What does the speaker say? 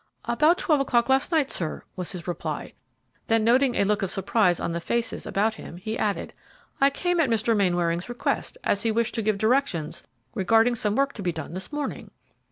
"About twelve o'clock last night, sir," was his reply; then noting a look of surprise on the faces about him, he added, "I came at Mr. Mainwaring's request, as he wished to give directions regarding some work to be done this morning."